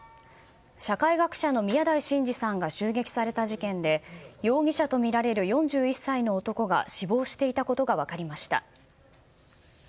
社会学者の宮台真司さんが襲撃された事件で容疑者とみられる４１歳の男が死亡していたことが分かりました。